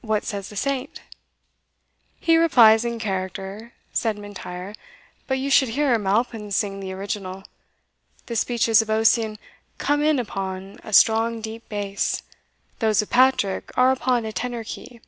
What says the Saint?" "He replies in character," said M'Intyre; "but you should hear MAlpin sing the original. The speeches of Ossian come in upon a strong deep bass those of Patrick are upon a tenor key."